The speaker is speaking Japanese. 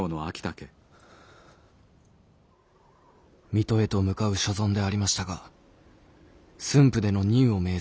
「水戸へと向かう所存でありましたが駿府での任を命ぜられました。